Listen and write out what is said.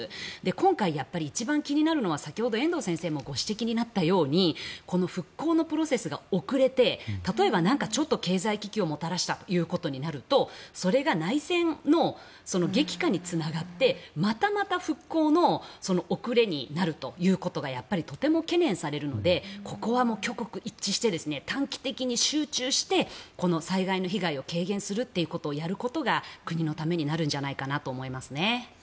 今回、一番気になるのは先ほど遠藤先生もご指摘になったようにこの復興のプロセスが遅れて例えばなんかちょっと経済危機をもたらしたということになるとそれが内戦の激化につながってまたまた復興の遅れになるということがやっぱりとても懸念されるのでここは挙国一致して短期的に集中してこの災害の被害を軽減するということをやることが国のためになるんじゃないかなと思いますね。